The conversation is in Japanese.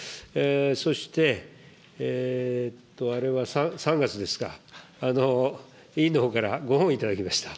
そして、あれは３月ですか、委員のほうからご本頂きました。